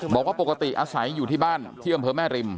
บอกว่าปกติอาศัยอยู่ที่บ้านที่อำเภอแม่ริม